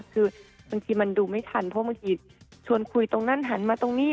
คือบางทีมันดูไม่ทันเพราะบางทีชวนคุยตรงนั้นหันมาตรงนี้